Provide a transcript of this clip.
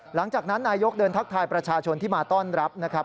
หลังจากนั้นนายยกเดินทักทายประชาชนที่มาต้อนรับนะครับ